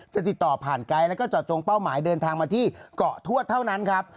จะติดต่อผ่านไกด์แล้วก็เจาะจงเป้าหมายเดินทางมาที่เกาะทวดเท่านั้นครับ